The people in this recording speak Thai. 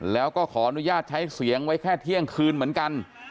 แล้วก็ขออนุญาตใช้เสียงไว้แค่เที่ยงคืนเหมือนกัน